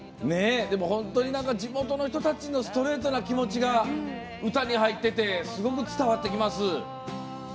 本当に地元の人たちのストレートな気持ちが歌に入っててすごく伝わってきます。